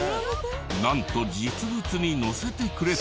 なんと実物に乗せてくれた！